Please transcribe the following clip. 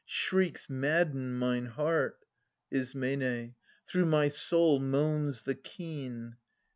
Shrieks madden mine heart ! Is. Through my soul moans the keen